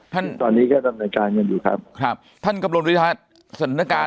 ท่านตอนนี้ก็ดำเนินการกันอยู่ครับครับท่านกำลมวิทยาศนการณ์